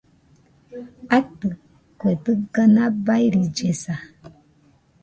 Atɨ , kue dɨga nabairillesa